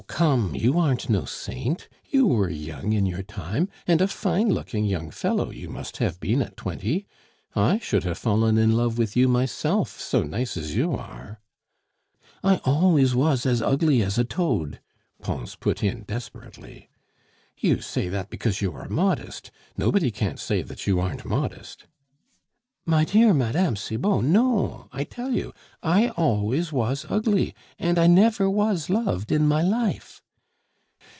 come, you aren't no saint! You were young in your time, and a fine looking young fellow you must have been at twenty. I should have fallen in love with you myself, so nice as you are " "I always was as ugly as a toad," Pons put in desperately. "You say that because you are modest; nobody can't say that you aren't modest." "My dear Mme. Cibot, no, I tell you. I always was ugly, and I never was loved in my life."